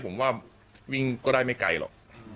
ผมว่าวิ่งก็ได้ไม่ไกลหรอก